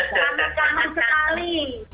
sangat kangen sekali